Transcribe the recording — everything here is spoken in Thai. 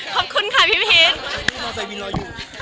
ขอบคุณค่ะพี่พีช